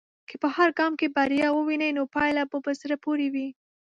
که په هر ګام کې بریا ووینې، نو پايله به په زړه پورې وي.